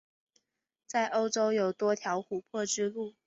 在欧洲有多条琥珀之路。